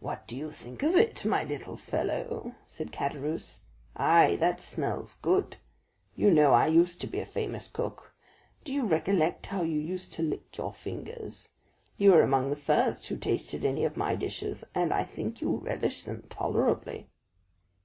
"What do you think of it, my little fellow?" said Caderousse. "Ay, that smells good! You know I used to be a good cook; do you recollect how you used to lick your fingers? You were among the first who tasted any of my dishes, and I think you relished them tolerably."